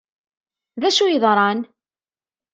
D acu i yeḍṛan?